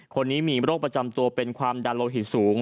คนนี้มีโรคประจำตัวเป็นความดันโลหิตสูง